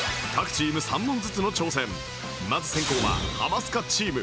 まず先攻はハマスカチーム